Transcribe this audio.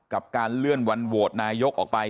กับการเลื่อนวันโหวตนายกออกไป